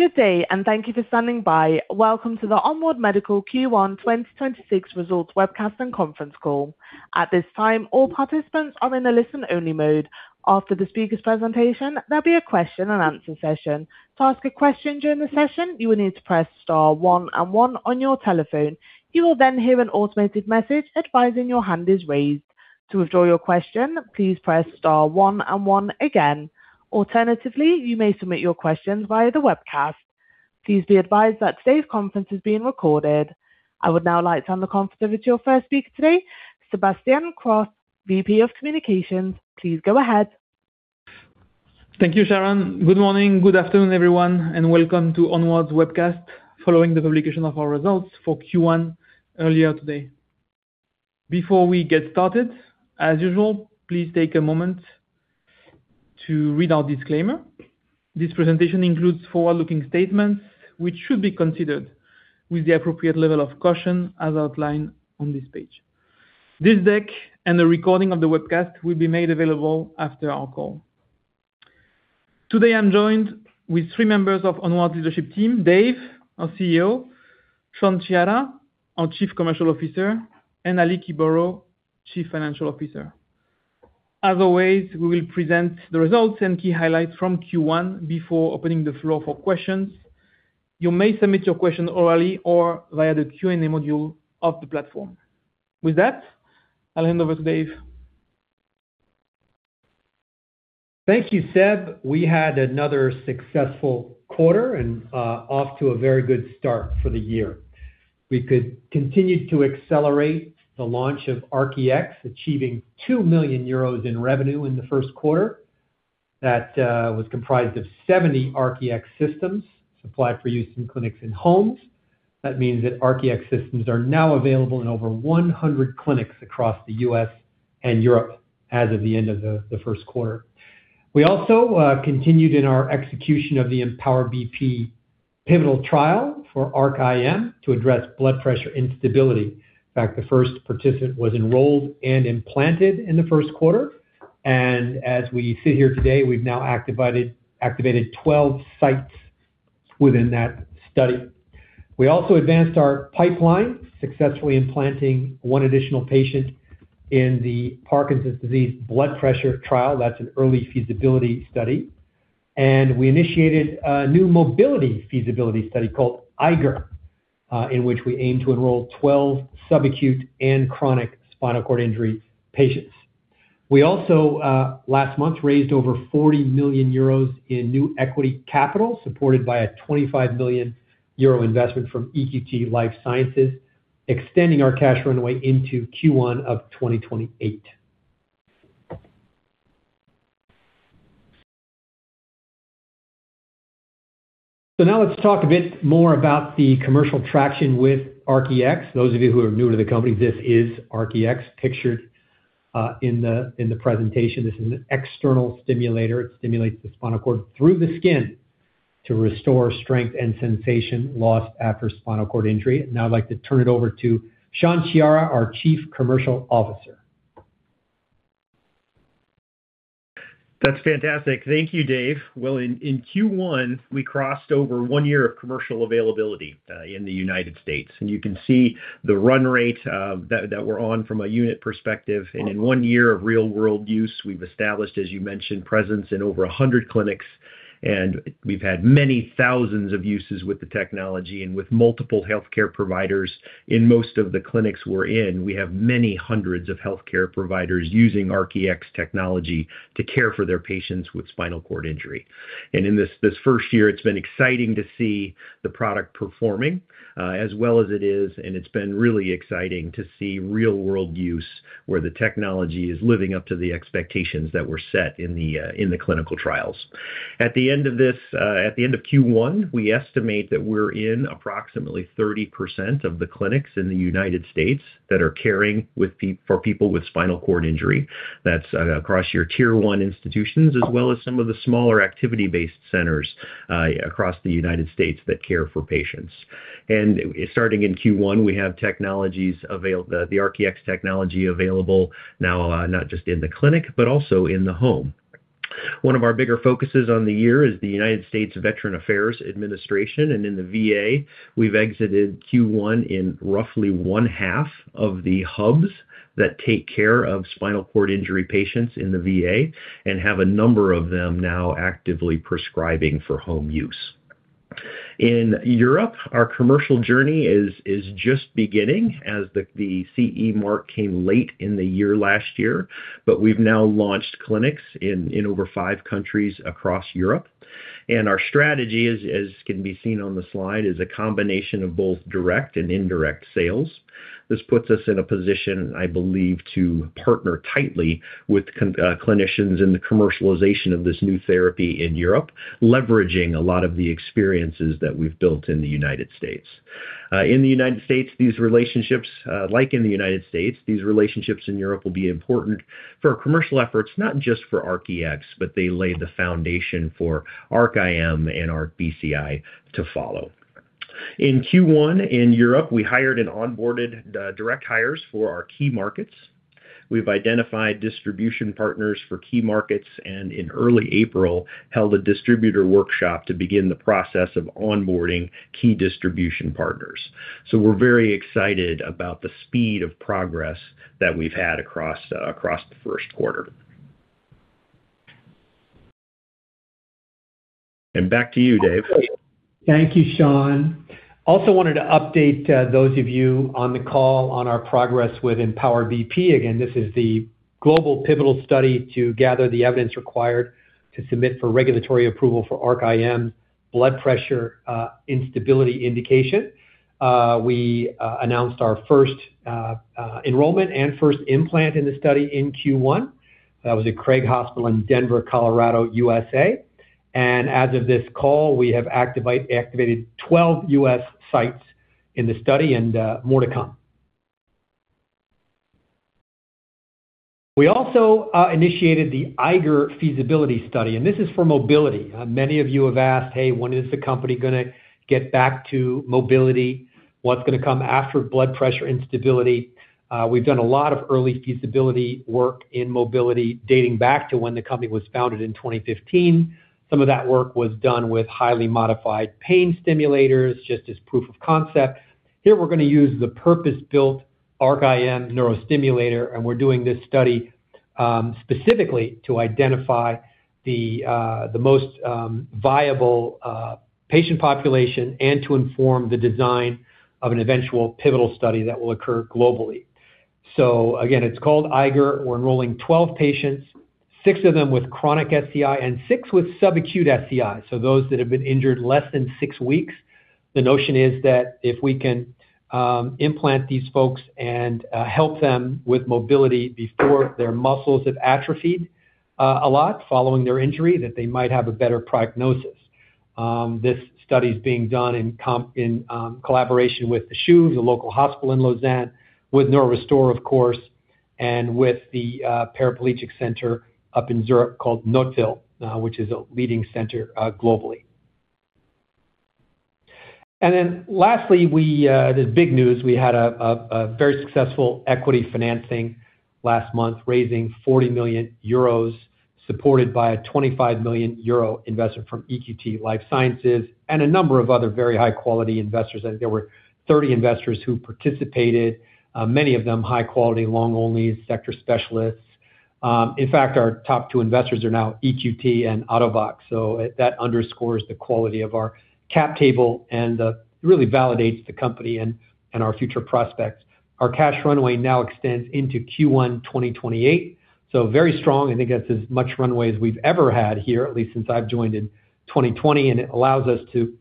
Good day, and thank you for standing by. Welcome to ONWARD Medical Q1 2026 results webcast and conference call. At this time, all participants are in a listen-only mode. After the speaker presentation, there'll be a question-and-answer session. To ask a question during the session, you will need to press star one and one on your telephone. You will then hear an automated message advising your hand is raised. To withdraw your question, please press star one and one again. Alternatively, you may submit your questions via the webcast. Please be advised that today's conference is being recorded. I would now like to hand the conference over to our first speaker today, Sébastien Cros, VP of Communications. Please go ahead. Thank you, Sharon. Good morning, good afternoon, everyone, and welcome to ONWARD's webcast following the publication of our results for Q1 earlier today. Before we get started, as usual, please take a moment to read our disclaimer. This presentation includes forward-looking statements, which should be considered with the appropriate level of caution as outlined on this page. This deck and the recording of the webcast will be made available after our call. Today, I'm joined with three members of ONWARD leadership team, Dave, our CEO, Sean Sciara, our Chief Commercial Officer, and Ali Kiboro, Chief Financial Officer. As always, we will present the results and key highlights from Q1 before opening the floor for questions. You may submit your question orally or via the Q&A module of the platform. With that, I'll hand over to Dave. Thank you, Séb. We had another successful quarter and off to a very good start for the year. We could continue to accelerate the launch of ARC-EX, achieving 2 million euros in revenue in the first quarter. That was comprised of 70 ARC-EX systems supplied for use in clinics and homes. That means that ARC-EX systems are now available in over 100 clinics across the U.S. and Europe as of the end of the first quarter. We also continued in our execution of the Empower BP pivotal trial for ARC-IM to address blood pressure instability. In fact, the first participant was enrolled and implanted in the first quarter, and as we sit here today, we've now activated 12 sites within that study. We also advanced our pipeline, successfully implanting one additional patient in the Parkinson's disease blood pressure trial. That's an early feasibility study. We initiated a new mobility feasibility study called EIGER, in which we aim to enroll 12 sub-acute and chronic spinal cord injury patients. We also, last month, raised over 40 million euros in new equity capital, supported by a 25 million euro investment from EQT Life Sciences, extending our cash runway into Q1 of 2028. Now let's talk a bit more about the commercial traction with ARC-EX. Those of you who are new to the company, this is ARC-EX pictured in the presentation. This is an external stimulator. It stimulates the spinal cord through the skin to restore strength and sensation lost after spinal cord injury. I'd like to turn it over to Sean Sciara, our Chief Commercial Officer. That's fantastic. Thank you, Dave. Well, in Q1, we crossed over one year of commercial availability in the United States. You can see the run rate that we're on from a unit perspective. In one year of real-world use, we've established, as you mentioned, presence in over 100 clinics. We've had many thousands of uses with the technology and with multiple healthcare providers. In most of the clinics we're in, we have many hundreds of healthcare providers using ARC-EX technology to care for their patients with spinal cord injury. In this first year, it's been exciting to see the product performing as well as it is. It's been really exciting to see real-world use where the technology is living up to the expectations that were set in the clinical trials. At the end of Q1, we estimate that we're in approximately 30% of the clinics in the United States that are caring for people with spinal cord injury. That's across your Tier 1 institutions, as well as some of the smaller activity-based centers across the United States that care for patients. Starting in Q1, we have the ARC-EX technology available now not just in the clinic but also in the home. One of our bigger focuses on the year is the United States of Veterans Affairs Administration. And in the VA, we've exited Q1 in roughly one-half of the hubs that take care of spinal cord injury patients in the VA and have a number of them now actively prescribing for home use. In Europe, our commercial journey is just beginning as the CE mark came late in the year last year, but we've now launched clinics in over five countries across Europe. Our strategy, as can be seen on the slide, is a combination of both direct and indirect sales. This puts us in a position, I believe, to partner tightly with clinicians in the commercialization of this new therapy in Europe, leveraging a lot of the experiences that we've built in the United States. Like in the United States, these relationships in Europe will be important for commercial efforts, not just for ARC-EX, but they lay the foundation for ARC-IM and ARC-BCI to follow. In Q1 in Europe, we hired and onboarded direct hires for our key markets. We've identified distribution partners for key markets, and in early April, held a distributor workshop to begin the process of onboarding key distribution partners. We're very excited about the speed of progress that we've had across the first quarter. Back to you, Dave. Thank you, Sean. Also wanted to update those of you on the call on our progress with Empower BP. Again, this is the global pivotal study to gather the evidence required to submit for regulatory approval for ARC-IM blood pressure instability indication. We announced our first enrollment and first implant in the study in Q1. That was at Craig Hospital in Denver, Colorado, U.S.A. As of this call, we have activated 12 U.S. sites in the study, and more to come. We also initiated the EIGER feasibility study, and this is for mobility. Many of you have asked, "Hey, when is the company going to get back to mobility? What's going to come after blood pressure instability?" We've done a lot of early feasibility work in mobility dating back to when the company was founded in 2015. Some of that work was done with highly modified pain stimulators, just as proof of concept. Here, we're going to use the purpose-built ARC-IM neurostimulator, and we're doing this study specifically to identify the most viable patient population and to inform the design of an eventual pivotal study that will occur globally. Again, it's called EIGER. We're enrolling 12 patients, six of them with chronic SCI and six with sub-acute SCI. Those that have been injured less than six weeks. The notion is that if we can implant these folks and help them with mobility before their muscles have atrophied a lot following their injury, that they might have a better prognosis. This study's being done in collaboration with the CHUV, the local hospital in Lausanne, with NeuroRestore, of course, and with the paraplegic center up in Zurich called Nottwil, which is a leading center globally. Lastly, the big news, we had a very successful equity financing last month, raising 40 million euros, supported by a 25 million euro investment from EQT Life Sciences and a number of other very high-quality investors. I think there were 30 investors who participated, many of them high quality, long-only sector specialists. In fact, our top two investors are now EQT and Ottobock, that underscores the quality of our cap table and really validates the company and our future prospects. Our cash runway now extends into Q1 2028. Very strong, I think that's as much runway as we've ever had here, at least since I've joined in 2020. It allows us to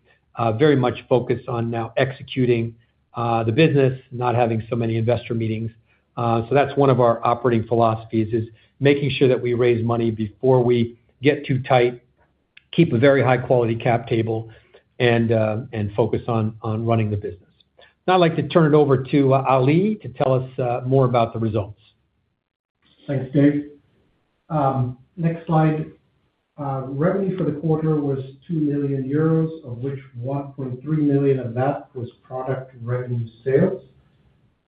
very much focus on now executing the business, not having so many investor meetings. That's one of our operating philosophies, is making sure that we raise money before we get too tight, keep a very high-quality cap table, and focus on running the business. I'd like to turn it over to Ali to tell us more about the results. Thanks, Dave. Next slide. Revenue for the quarter was 2 million euros, of which 1.3 million of that was product revenue sales.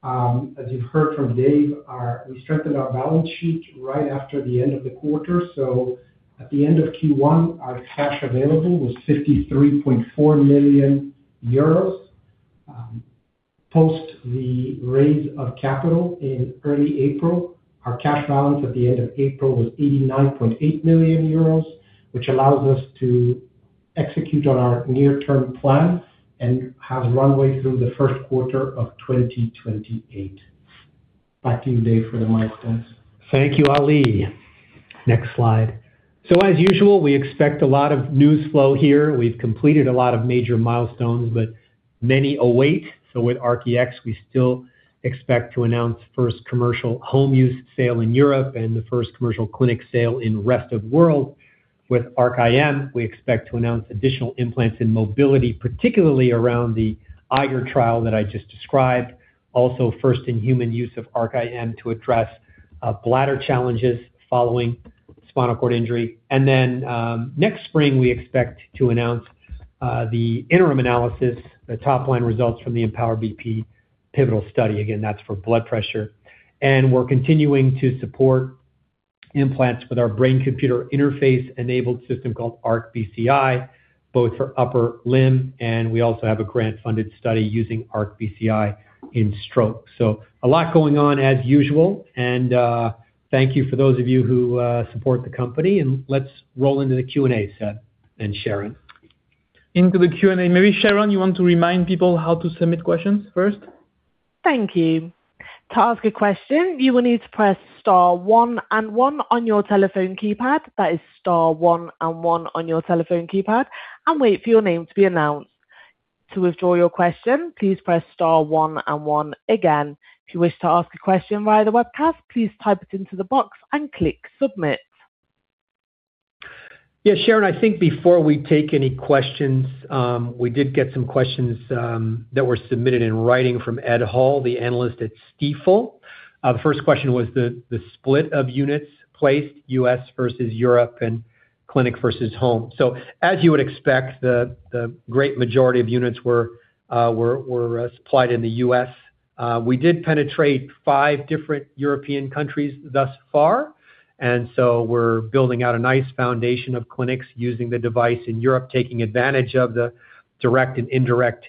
As you've heard from Dave, we strengthened our balance sheet right after the end of the quarter. At the end of Q1, our cash available was 53.4 million euros. Post the raise of capital in early April, our cash balance at the end of April was 89.8 million euros, which allows us to execute on our near-term plan and have runway through the first quarter of 2028. Back to you, Dave, for the milestones. Thank you, Ali. Next slide. As usual, we expect a lot of news flow here. We've completed a lot of major milestones, but many await. With ARC-EX, we still expect to announce first commercial home use sale in Europe and the first commercial clinic sale in the rest of the world. With ARC-IM, we expect to announce additional implants in mobility, particularly around the EIGER trial that I just described. Also, first-in-human use of ARC-IM to address bladder challenges following spinal cord injury. Next spring, we expect to announce the interim analysis, the top-line results from the Empower BP pivotal study. Again, that's for blood pressure. We're continuing to support implants with our brain-computer interface-enabled system called ARC-BCI, both for upper limb, and we also have a grant-funded study using ARC-BCI in stroke. A lot going on as usual. Thank you for those of you who support the company. Let's roll into the Q&A, Séb and Sharon. Into the Q&A. Maybe, Sharon, you want to remind people how to submit questions first? Thank you. To ask a question, you will need to press star one and one on your telephone keypad. That is star one and one on your telephone keypad, and wait for your name to be announced. To withdraw your question, please press star one and one again. If you wish to ask a question via the webcast, please type it into the box and click submit. Yeah, Sharon, I think before we take any questions, we did get some questions that were submitted in writing from Ed Hall, the analyst at Stifel. First question was the split of units placed, U.S. versus Europe, and clinic versus home. As you would expect, the great majority of units were supplied in the U.S. We did penetrate five different European countries thus far. We're building out a nice foundation of clinics using the device in Europe, taking advantage of the direct and indirect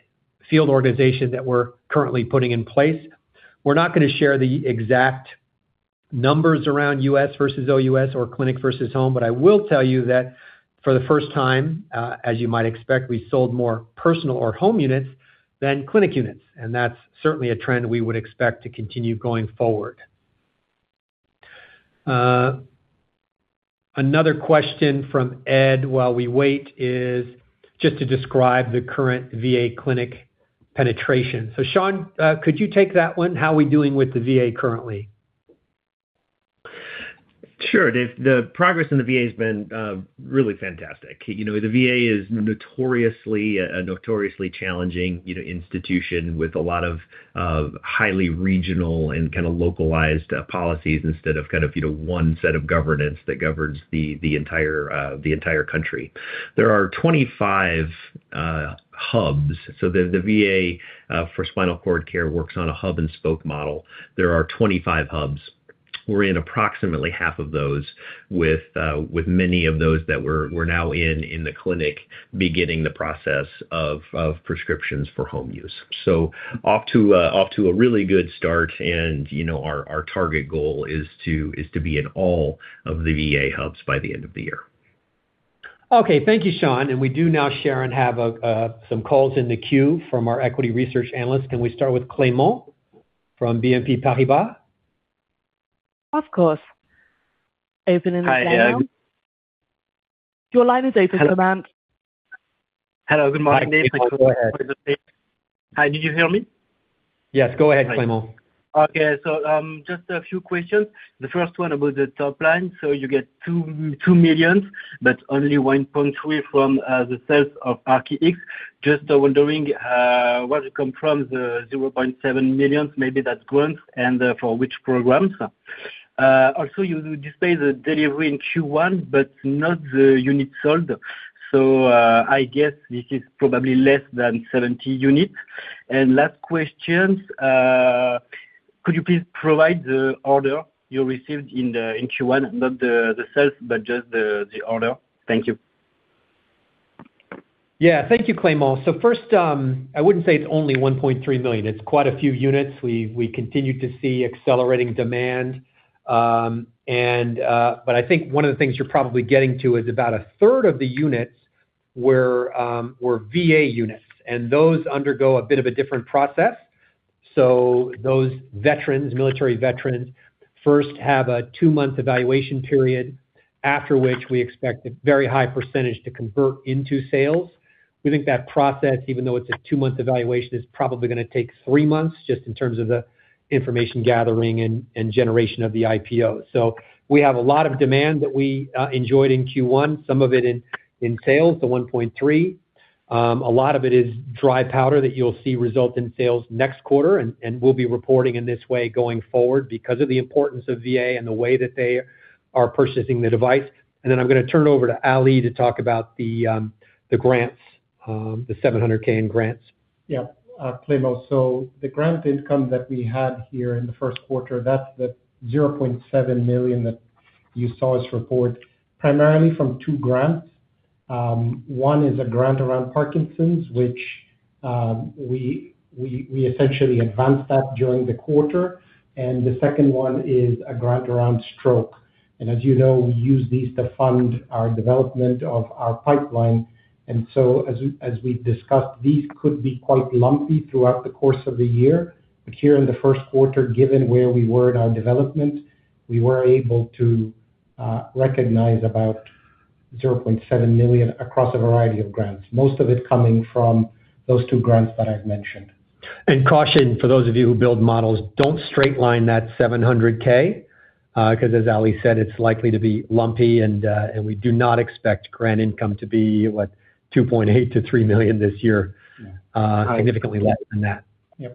field organization that we're currently putting in place. We're not going to share the exact numbers around U.S. versus OUS or clinic versus home, but I will tell you that for the first time, as you might expect, we sold more personal or home units than clinic units. That's certainly a trend we would expect to continue going forward. Another question from Ed while we wait is just to describe the current VA clinic penetration. Sean, could you take that one? How are we doing with the VA currently? Sure, Dave. The progress in the VA has been really fantastic. The VA is a notoriously challenging institution with a lot of highly regional and localized policies instead of one set of governance that governs the entire country. There are 25 hubs. The VA for spinal cord care works on a hub and spoke model. There are 25 hubs. We're in approximately half of those with many of those that we're now in the clinic beginning the process of prescriptions for home use. Off to a really good start, and our target goal is to be in all of the VA hubs by the end of the year. Okay. Thank you, Sean. We do now, Sharon, have some calls in the queue from our equity research analysts. Can we start with Clément from BNP Paribas? Of course. are you on the line? Hi, everyone. Your line is open, Clément. Hello. Good morning. Hi, Clément. Go ahead. Hi, did you hear me? Yes, go ahead, Clément. Okay. Just a few questions. The first one about the top line. You get 2 million, but only 1.3 million from the sales of ARC-EX. Just wondering where it comes from, the 0.7 million, maybe that grants and for which programs. You say the delivery in Q1, but not the units sold. I guess this is probably less than 70 units. Last question, could you please provide the order you received in Q1, not the sales, but just the order? Thank you. Thank you, Clément. First, I wouldn't say it's only 1.3 million. It's quite a few units. We continue to see accelerating demand. I think one of the things you're probably getting to is about 1/3 of the units were VA units, and those undergo a bit of a different process. Those military veterans first have a two-month evaluation period, after which we expect a very high percentage to convert into sales. We think that process, even though it's a two-month evaluation, is probably going to take three months just in terms of the information gathering and generation of the PO. We have a lot of demand that we enjoyed in Q1, some of it in sales, the 1.3 million. A lot of it is dry powder that you'll see result in sales next quarter. We'll be reporting in this way going forward because of the importance of VA and the way that they are purchasing the device. I'm going to turn it over to Ali to talk about the grants, the 700,000 in grants. Yeah. Clément, the grant income that we had here in the first quarter, that's the 0.7 million that you saw us report primarily from two grants. One is a grant around Parkinson's, which we essentially advanced that during the quarter. The second one is a grant around stroke. As you know, we use these to fund our development of our pipeline. As we've discussed, these could be quite lumpy throughout the course of the year. Here in the first quarter, given where we were in our development, we were able to recognize about 0.7 million across a variety of grants, most of it coming from those two grants that I've mentioned. Caution for those of you who build models, don't straight line that 700,000, because as Ali said, it's likely to be lumpy and we do not expect grant income to be, what, 2.8 million-3 million this year. Yeah. Significantly less than that. Yeah.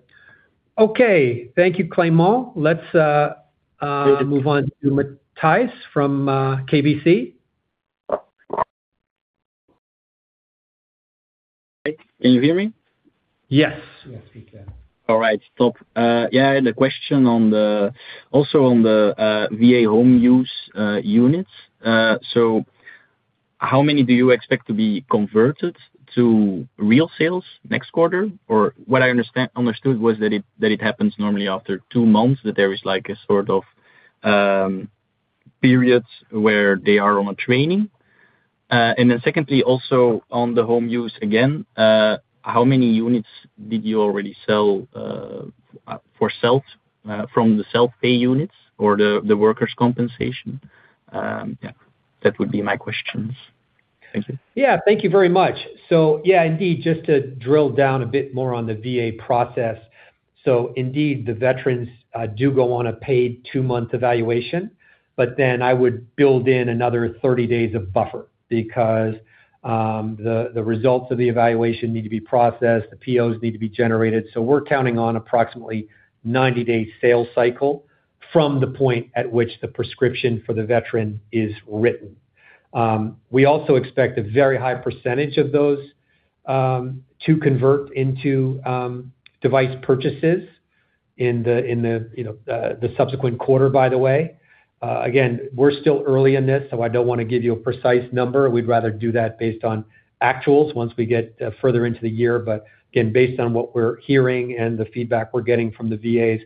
Okay. Thank you, Clément. Let's move on to Mathijs from KBC. Can you hear me? Yes. Yes, we can. All right. Top. Yeah, the question also on the VA home use units. How many do you expect to be converted to real sales next quarter? What I understood was that it happens normally after two months, that there is a sort of period where they are on training. Secondly, also on the home use again, how many units did you already sell for self from the self-pay units or the workers' compensation? Yeah, that would be my questions. Thank you. Yes. Thank you very much. Indeed, just to drill down a bit more on the VA process. Indeed, the veterans do go on a paid two-month evaluation, but then I would build in another 30 days of buffer because the results of the evaluation need to be processed, the POs need to be generated. We're counting on approximately 90-day sales cycle from the point at which the prescription for the veteran is written. We also expect a very high percentage of those to convert into device purchases in the subsequent quarter, by the way. Again, we're still early in this, so I don't want to give you a precise number. We'd rather do that based on actuals once we get further into the year. Again, based on what we're hearing and the feedback we're getting from the VAs,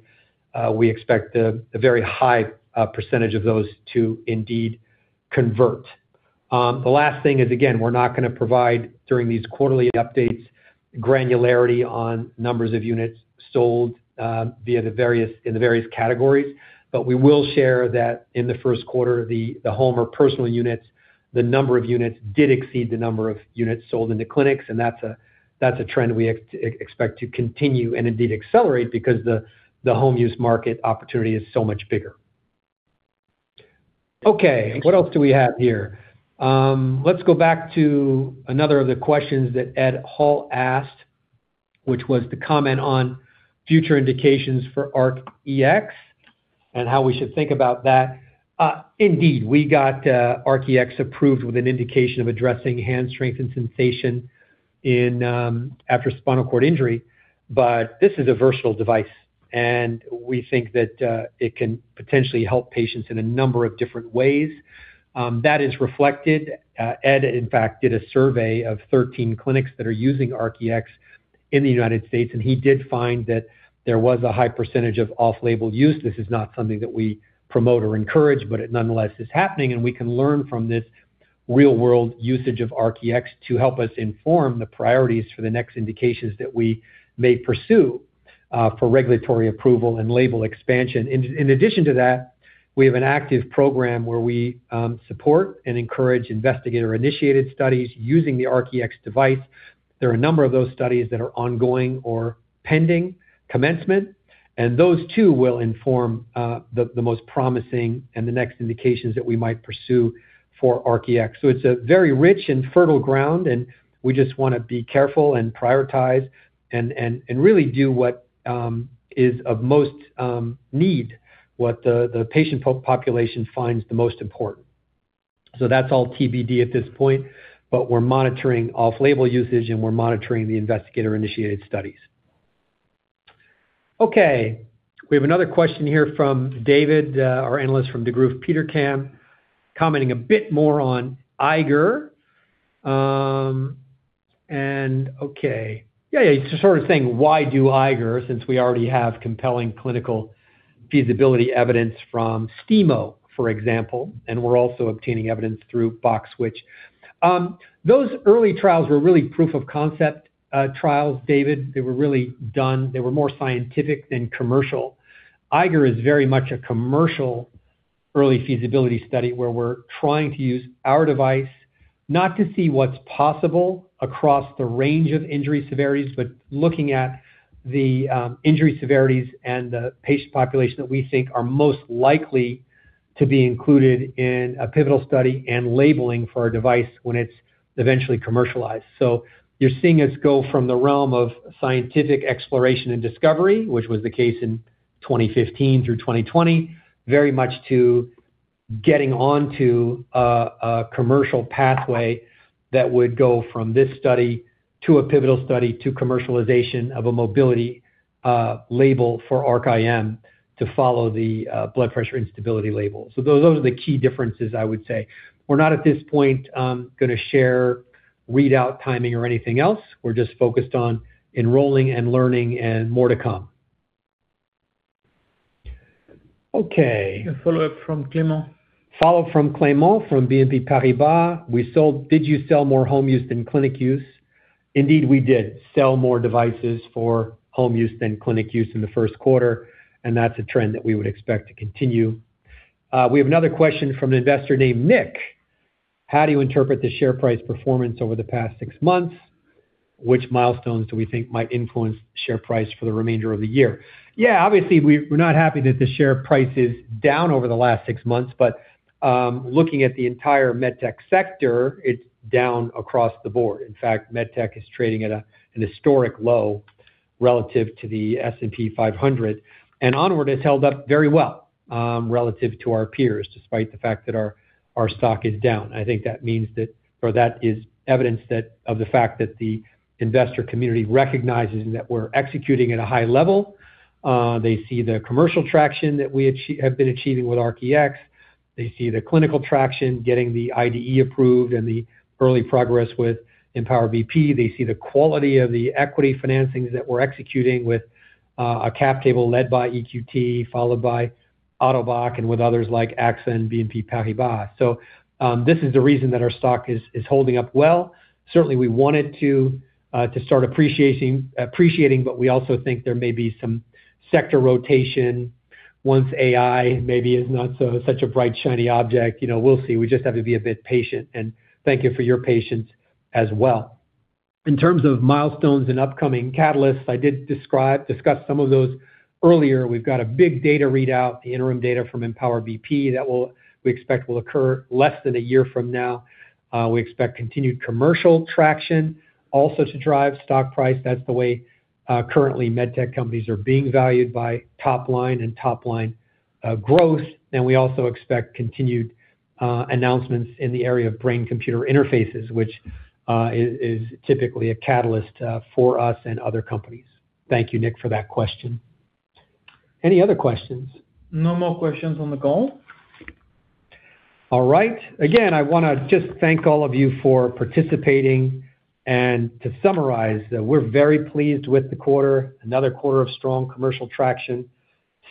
we expect a very high percentage of those to indeed convert. The last thing is, again, we're not going to provide, during these quarterly updates, granularity on numbers of units sold in the various categories. We will share that in the first quarter, the home or personal units, the number of units did exceed the number of units sold in the clinics, and that's a trend we expect to continue and indeed accelerate because the home use market opportunity is so much bigger. Okay. What else do we have here? Let's go back to another of the questions that Ed Hall asked, which was to comment on future indications for ARC-EX and how we should think about that. Indeed, we got ARC-EX approved with an indication of addressing hand strength and sensation after spinal cord injury. This is a versatile device, and we think that it can potentially help patients in a number of different ways. That is reflected. Ed, in fact, did a survey of 13 clinics that are using ARC-EX in the United States, and he did find that there was a high percentage of off-label use. This is not something that we promote or encourage, but it nonetheless is happening, and we can learn from this real-world usage of ARC-EX to help us inform the priorities for the next indications that we may pursue for regulatory approval and label expansion. In addition to that, we have an active program where we support and encourage investigator-initiated studies using the ARC-EX device. There are a number of those studies that are ongoing or pending commencement, and those too will inform the most promising and the next indications that we might pursue for ARC-EX. It's a very rich and fertile ground, and we just want to be careful and prioritize, and really do what is of most need, what the patient population finds the most important. That's all TBD at this point. We're monitoring off-label usage, and we're monitoring the investigator-initiated studies. Okay. We have another question here from David, our analyst from Degroof Petercam, commenting a bit more on EIGER. Okay. Yeah, he's just sort of saying, why do EIGER since we already have compelling clinical feasibility evidence from STIMO, for example, and we're also obtaining evidence through FOXswitch. Those early trials were really proof of concept trials, David. They were more scientific than commercial. EIGER is very much a commercial early feasibility study whre we're trying to use our device not to see what's possible across the range of injury severities, but looking at the injury severities and the patient population that we think are most likely to be included in a pivotal study and labeling for a device when it's eventually commercialized. You're seeing us go from the realm of scientific exploration and discovery, which was the case in 2015 through 2020, very much to getting onto a commercial pathway that would go from this study to a pivotal study to commercialization of a mobility label for ARC-IM to follow the blood pressure instability label. Those are the key differences, I would say. We're not at this point going to share readout timing or anything else. We're just focused on enrolling and learning and more to come. Okay. Follow-up from Clément. Follow-up from Clément from BNP Paribas. Did you sell more home use than clinic use? Indeed, we did sell more devices for home use than clinic use in the first quarter, and that's a trend that we would expect to continue. We have another question from an investor named Nick. How do you interpret the share price performance over the past six months? Which milestones do we think might influence share price for the remainder of the year? Yeah, obviously, we're not happy that the share price is down over the last six months. Looking at the entire MedTech sector, it's down across the board. In fact, MedTech is trading at a historic low relative to the S&P 500. ONWARD has held up very well relative to our peers, despite the fact that our stock is down. I think that is evidence of the fact that the investor community recognizes that we're executing at a high level. They see the commercial traction that we have been achieving with ARC-EX. They see the clinical traction, getting the IDE approved, and the early progress with Empower BP. They see the quality of the equity financings that we're executing with a cap table led by EQT, followed by Ottobock, and with others like Exane and BNP Paribas. This is the reason that our stock is holding up well. Certainly, we want it to start appreciating, but we also think there may be some sector rotation once AI maybe is not such a bright, shiny object. We'll see. We just have to be a bit patient, and thank you for your patience as well. In terms of milestones and upcoming catalysts, I did discuss some of those earlier. We've got a big data readout, the interim data from Empower BP that we expect will occur less than a year from now. We expect continued commercial traction also to drive stock price. That's the way currently MedTech companies are being valued by top-line and top-line growth. We also expect continued announcements in the area of Brain-Computer Interfaces, which is typically a catalyst for us and other companies. Thank you, Nick, for that question. Any other questions? No more questions on the call. All right. Again, I want to just thank all of you for participating. To summarize, that we're very pleased with the quarter, another quarter of strong commercial traction,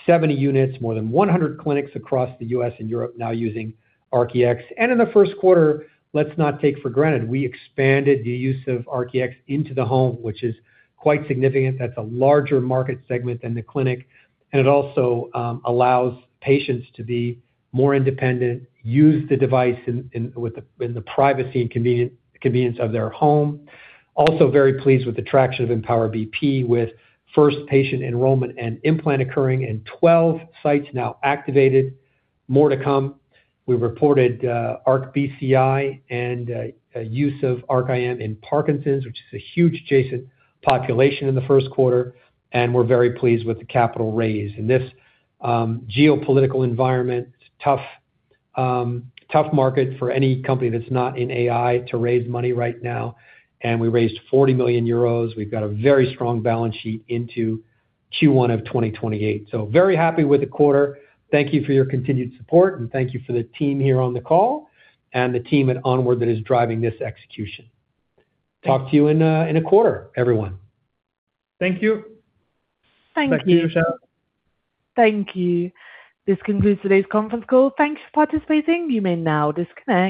70 units, more than 100 clinics across the U.S. and Europe now using ARC-EX. In the first quarter, let's not take for granted, we expanded the use of ARC-EX into the home, which is quite significant. That's a larger market segment than the clinic. It also allows patients to be more independent, use the device in the privacy and convenience of their home. Also very pleased with the traction of Empower BP with first patient enrollment and implant occurring in 12 sites now activated. More to come. We reported ARC-BCI and use of ARC-IM in Parkinson's, which is a huge adjacent population in the first quarter, and we're very pleased with the capital raise. In this geopolitical environment, tough market for any company that's not in AI to raise money right now. We raised 40 million euros. We've got a very strong balance sheet into Q1 of 2028. Very happy with the quarter. Thank you for your continued support, and thank you for the team here on the call and the team at ONWARD that is driving this execution. Talk to you in a quarter, everyone. Thank you. Thank you. Back to you, Sharon. Thank you. This concludes today's conference call. Thank you for participating. You may now disconnect.